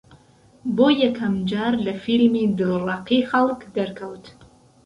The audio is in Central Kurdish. بۆ یەکەم جار لە فیلمی «دڵڕەقی خەڵک» دەرکەوت